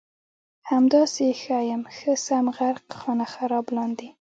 همداسې ښه یم ښه سم غرق خانه خراب لاندې